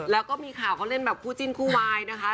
แล้วก็มีข่าวเขาเล่นแบบคู่จิ้นคู่วายนะคะ